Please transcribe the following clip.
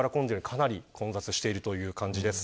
かなり混雑している感じです。